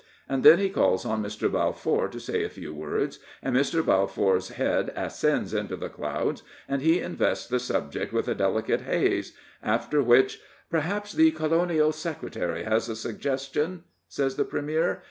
And then he calls on Mr. Balfour to say a few words, and Mr. Balfour*s head ascends into the clouds and he invests the subject with a delicate haze, after which: ' Perhaps the Colonial Secretary has a suggestion,* says the Premier.